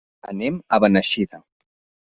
Anem a Beneixida.